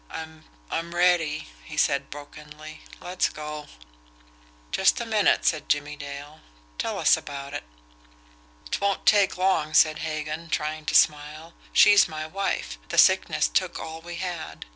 "I'm I'm ready," he said brokenly. "Let's go." "Just a minute," said Jimmie Dale. "Tell us about it." "Twon't take long," said Hagan, trying to smile. "She's my wife. The sickness took all we had.